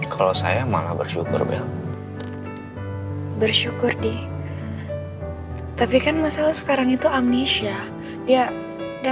kalau saya malah bersyukur baik bersyukur di tapi kan masalah sekarang itu amnesia dia dia